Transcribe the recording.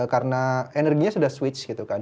karena energinya sudah switch gitu kan